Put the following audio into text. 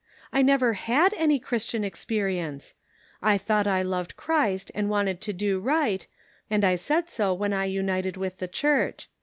I never had any Christian experience. I thought I loved Christ and wanted to do right, and I said so when I united with the Church.